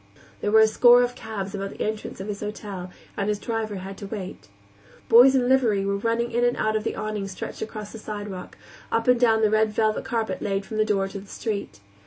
There were a score of cabs about the entrance of his hotel, and his driver had to wait. Boys in livery were running in and out of the awning stretched across the sidewalk, up and down the red velvet carpet laid from the door to the street.